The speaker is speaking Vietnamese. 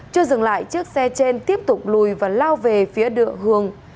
chưa dừng lại chiếc xe trên tiếp tục lùi và lao về phía đựa hường